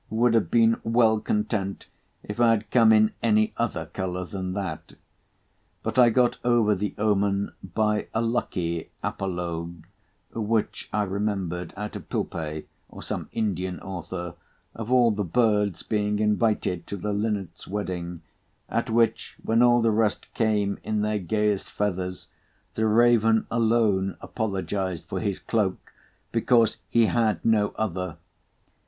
would have been well content, if I had come in any other colour than that. But I got over the omen by a lucky apologue, which I remembered out of Pilpay, or some Indian author, of all the birds being invited to the linnets' wedding, at which, when all the rest came in their gayest feathers, the raven alone apologised for his cloak because "he had no other."